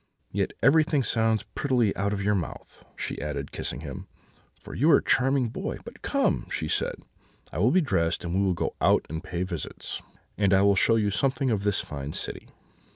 Yet everything sounds prettily out of your mouth,' she added, kissing him, 'for you are a charming boy. But come,' she said, 'I will be dressed; and we will go out and pay visits, and I will show you something of this fine city.'